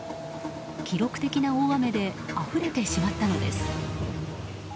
記録的な大雨であふれてしまったのです。